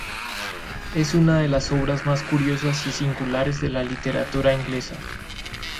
Es una de las obras más curiosas y singulares de la literatura inglesa.